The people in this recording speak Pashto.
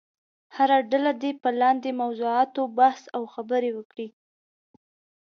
هره ډله دې په لاندې موضوعاتو بحث او خبرې وکړي.